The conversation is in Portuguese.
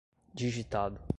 digitado